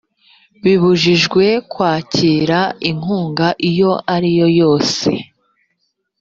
bibujijwe kwakira inkunga iyo ari yo yose,